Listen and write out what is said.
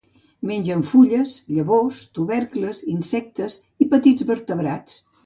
Mengen fulles, llavors, tubercles, insectes i petits vertebrats.